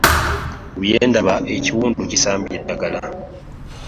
Kubyendaba ekiwundu kisambye edagala .